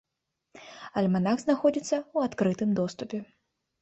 Альманах знаходзіцца ў адкрытым доступе.